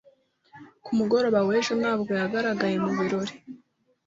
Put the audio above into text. Ku mugoroba w'ejo, ntabwo yagaragaye mu birori.